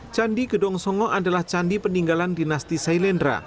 candi gedong songo adalah candi peninggalan dinasti sailendra